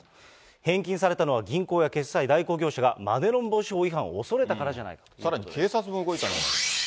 返金されたのは銀行や決済代行業者がマネロン防止法違反を恐れたさらに警察も動いたと。